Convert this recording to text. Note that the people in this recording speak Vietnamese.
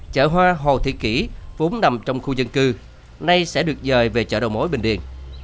chợ hoa hồ thị kỷ vốn nằm trong khu dân cư nay sẽ được rời về chợ đầu mối bình điền